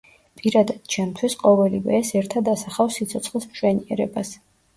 პირადად ჩემთვის, ყოველივე ეს ერთად ასახავს სიცოცხლის მშვენიერებას.